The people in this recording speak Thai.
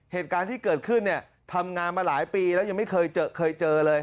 เหตุการณ์ที่เกิดขึ้นเนี่ยทำงานมาหลายปีแล้วยังไม่เคยเจอเคยเจอเลย